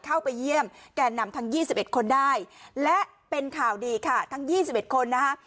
เข้าไปเยี่ยมแก่นำทั้ง๒๑คนได้และเป็นข่าวดีค่ะทั้ง๒๑คนนะคะ